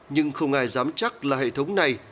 nhưng không ai dám chắc là hệ thống này